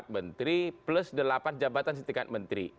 tiga puluh empat menteri plus delapan jabatan setiakan menteri